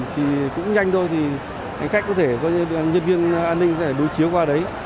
thì cũng nhanh thôi thì khách có thể nhân viên an ninh có thể đối chiếu qua đấy